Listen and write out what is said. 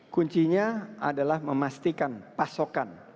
kuncinya adalah memastikan pasokan